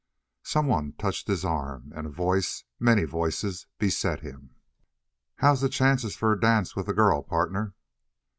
Someone touched his arm, and a voice, many voices, beset him. "How's the chances for a dance with the girl, partner?"